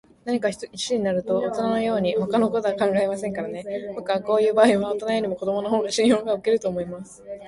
何かに一心になると、おとなのように、ほかのことは考えませんからね。ぼくはこういうばあいには、おとなよりも子どものほうが信用がおけると思います。